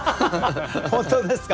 本当ですか？